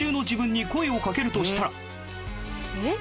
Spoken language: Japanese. えっ？